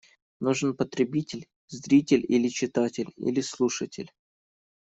Нужен потребитель – зритель или читатель, или слушатель.